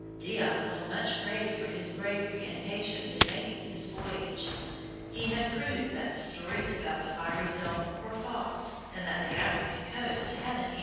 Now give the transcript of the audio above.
Diaz won much praise for his bravery and patience in making this voyage. He had proved that the stories about the fiery zone were false, and that the African coast had an end.